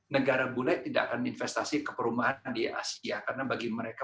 negara bule tidak akan investasi ke perumahan di asia karena bagi mereka